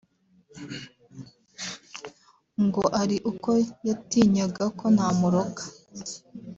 ngo ari uko yatinyaga ko namuroga”